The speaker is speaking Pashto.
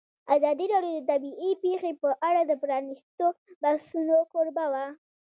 ازادي راډیو د طبیعي پېښې په اړه د پرانیستو بحثونو کوربه وه.